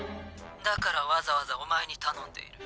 だからわざわざお前に頼んでいる。